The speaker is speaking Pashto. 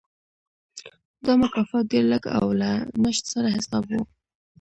دا مکافات ډېر لږ او له نشت سره حساب و.